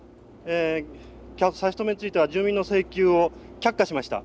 差し止めについては住民の請求を却下しました。